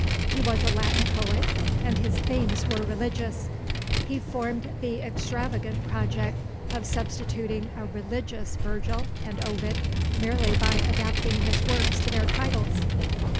He was a Latin poet, and his themes were religious. He formed the extravagant project of substituting a religious Virgil and Ovid merely by adapting his works to their titles.